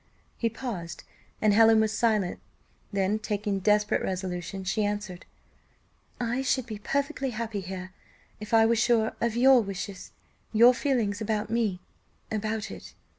He paused, and Helen was silent: then, taking desperate resolution, she answered, "I should be perfectly happy here, if I were sure of your wishes, your feelings about me about it."